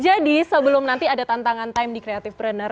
jadi sebelum nanti ada tantangan time di kreatif brenner